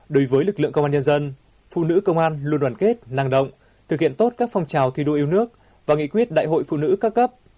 đối với lực lượng công an nhân dân phụ nữ công an luôn đoàn kết năng động thực hiện tốt các phong trào thi đua yêu nước và nghị quyết đại hội phụ nữ các cấp